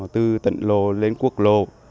từ tỉnh lộ lên quốc lộ